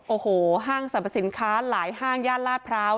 โอ้โหห้างสรรพสินค้าหลายห้างย่านลาดพร้าว